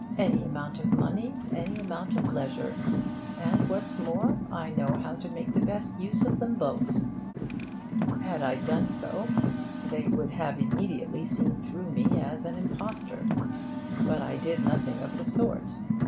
Any amount of money, any amount of leisure! And, what's more, I know how to make the best use of them both!' Had I done so, they would have immediately seen through me as an impostor. But I did nothing of the sort.